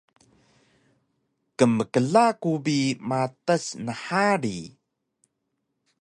Kmkla ku bi matas nhari